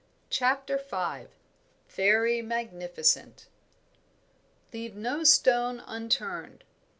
CHAPTER V. FAIRY MAGNIFICENT. "Leave no stone unturned."